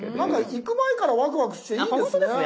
行く前からワクワクしていいですね。